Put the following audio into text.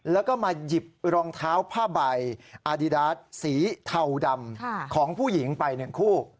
แล้วก็มาหยิบรองเท้าผ้าใบอาดิดาร์ดสีเทาดำของผู้หญิงไป๑คู่